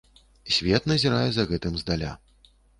Свет назірае за гэтым здаля.